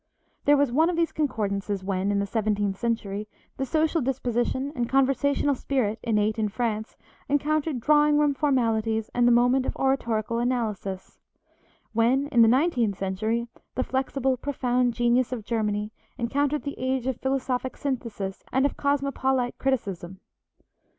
There was one of these concordances when, in the seventeenth century, the social disposition and conversational spirit innate in France encountered drawing room formalities and the moment of oratorical analysis; when, in the nineteenth century, the flexible, profound genius of Germany encountered the age of philosophic synthesis and of cosmopolite criticism.